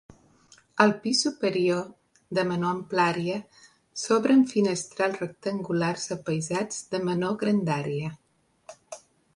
Al pis superior, de menor amplària, s'obren finestrals rectangulars apaïsats de menor grandària.